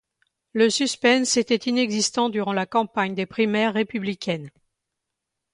Le suspense était inexistant durant la campagne des primaires républicaines.